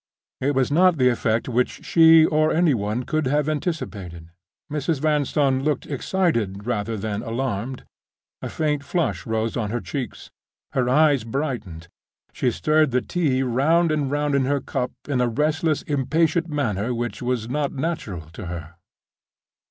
It was not the effect which she, or any one, could have anticipated. Mrs. Vanstone looked excited rather than alarmed. A faint flush rose on her cheeks—her eyes brightened—she stirred the tea round and round in her cup in a restless, impatient manner which was not natural to her.